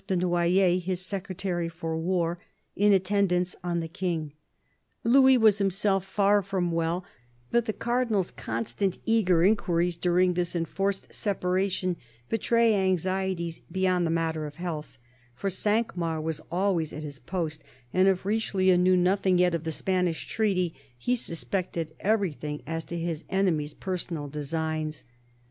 de Noyers, his Secretary for War, in attend ance on the King. Louis was himself far from well, but the Cardinal's constant, eager inquiries, during this enforced separation, betray anxieties beyond the matter of health ; for Cinq Mars was always at his post, and if Richelieu knew nothing yet of the Spanish treaty, he suspected every thing as to his enemy's personal designs.